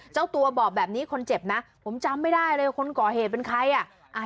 เจ้าตัวบอกแบบนี้คนเจ็บนะผมจำไม่ได้เลยว่าคนก่อเหตุเป็นใครอ่ะ